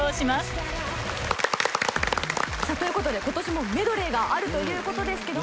続いてはさらにそしてということで今年もメドレーがあるということですけど。